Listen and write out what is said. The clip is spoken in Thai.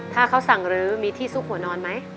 ถ้าเขาสั่งลื้อมีที่ซุกหัวนอนไหม